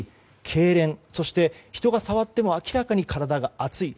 けいれんそして、人が触っても明らかに体が熱い。